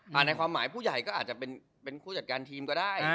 ในความหมายผู้ใหญ่ก็อาจจะเป็นผู้จัดการทีมก็ได้